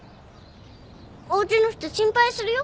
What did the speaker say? おうちの人心配するよ。